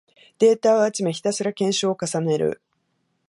データを集め、ひたすら検証を重ねる